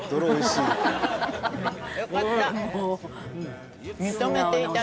よかった。